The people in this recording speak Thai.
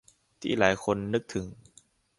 ที่หลายคนนึกถึง